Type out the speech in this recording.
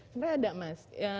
sebenarnya ada mas